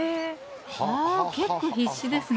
結構、必死ですね。